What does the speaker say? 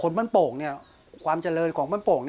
คนปั้นโป่งความเจริญของปั้นโป่ง